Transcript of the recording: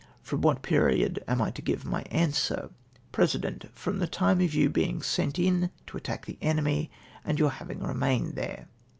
—" From what period am I to give my answer ?" President. — "From the time of your being sent in to attack the enemy, and your having remained there."